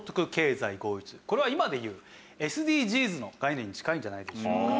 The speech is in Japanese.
これは今で言うＳＤＧｓの概念に近いんじゃないでしょうか。